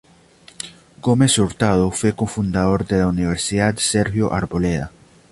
Gómez Hurtado fue Cofundador de la Universidad Sergio Arboleda.